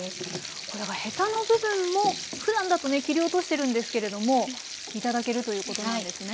これはヘタの部分もふだんだとね切り落としてるんですけれども頂けるということなんですね。